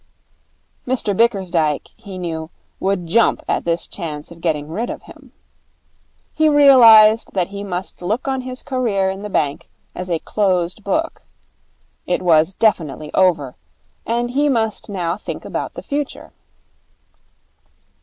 Mr Bickersdyke, he knew, would jump at this chance of getting rid of him. He realized that he must look on his career in the bank as a closed book. It was definitely over, and he must now think about the future.